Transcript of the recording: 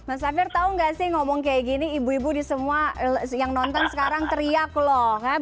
mas safir tahu nggak sih ngomong kayak gini ibu ibu di semua yang nonton sekarang teriak loh